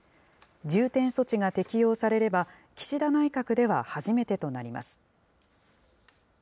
重点措置が適用されれば、岸田内閣では初めてとなります。